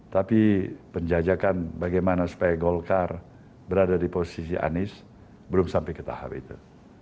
tapi penjajakan bagaimana supaya golkar berada di posisi anies belum sampai ke tahap itu